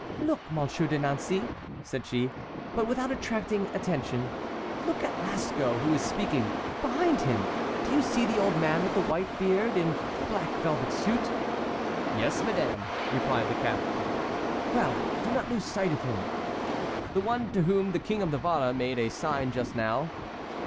"Look, Monsieur de Nancey," said she, "but without attracting attention; look at Lasco who is speaking. Behind him—do you see the old man with the white beard, in the black velvet suit?" "Yes, madame," replied the captain. "Well, do not lose sight of him." "The one to whom the King of Navarre made a sign just now?"